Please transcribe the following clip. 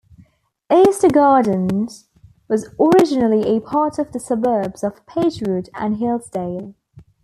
Eastgardens was originally a part of the suburbs of Pagewood and Hillsdale.